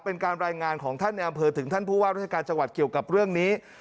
เป็นการรายงานของท่านในอำเภอถึงท่านผู้ว่าราชการจังหวัดเกี่ยวกับเรื่องนี้